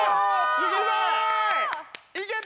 すごい！